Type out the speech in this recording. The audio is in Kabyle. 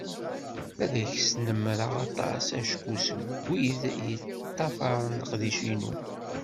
Ad ak-snemreɣ aṭas, acku seg wid yeṭṭafaren leqdic-inu.